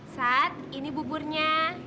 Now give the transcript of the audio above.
saat ini buburnya